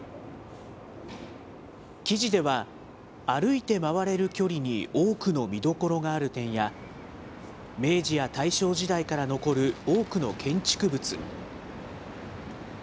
記事では、歩いて回れる距離に多くの見どころがある点や、明治や大正時代から残る多くの建築物。